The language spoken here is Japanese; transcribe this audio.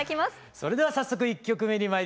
それでは早速１曲目にまいりましょう。